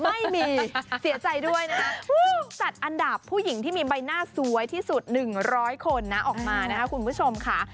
ไม่มีเสียใจด้วยนะคะจัดอันดับผู้หญิงที่มีใบหน้าสวยที่สุด๑๐๐คนนะออกมานะครับคุณผู้ชมค่ะ